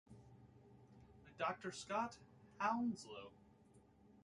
Doctor Scott, Hounslow.